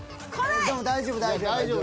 でも大丈夫大丈夫。